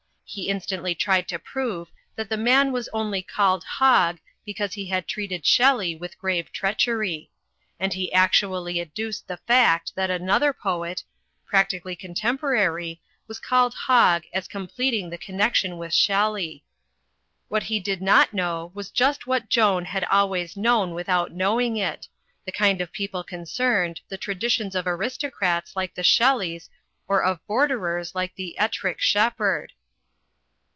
He instantly tried to prove that the man was only called "Hogg" because he had treat ed Shelley with grave treachery. And he actually ad duced the fact that another poet, practically contempo rary, was called "Hogg" as completing the connection with Shelley. What he did not know was just what Joan had always known without knowing it: the kind of people concerned, the traditions of aristocrats like the Shelleys or of Borderers like the Ettrick Shepherd.